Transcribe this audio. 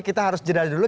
kita harus jeda dulu